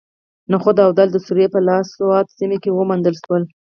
نخود او دال د سوریې په الاسود سیمه کې وموندل شول.